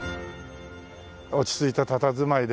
落ち着いたたたずまいで。